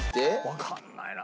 わかんないな。